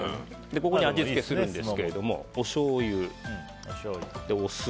ここに味付けするんですがおしょうゆ、お酢。